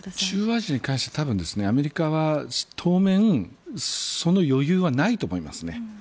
中央アジアに関しては多分、アメリカは当面その余裕はないと思いますね。